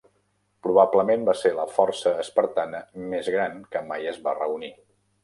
Probablement va ser la força espartana més gran que mai es va reunir.